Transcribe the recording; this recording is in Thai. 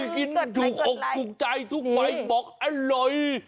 กินถูกใจทุกใบบอกอร่อย